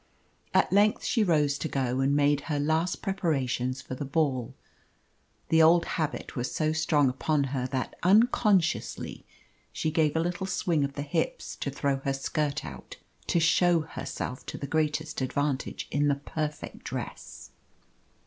At length she rose to go and make her last preparations for the ball. The old habit was so strong upon her that unconsciously she gave a little swing of the hips to throw her skirt out to show herself to the greatest advantage in the perfect dress.